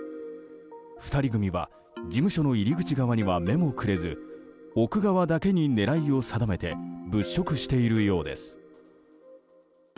２人組は事務所の入り口側には目もくれず奥側だけに狙いを定めて物色しているようです。